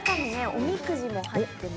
おみくじ？